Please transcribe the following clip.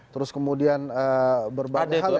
terus kemudian berbagi hal hal